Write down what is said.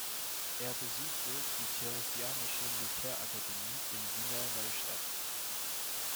Er besuchte die Theresianische Militärakademie in Wiener Neustadt.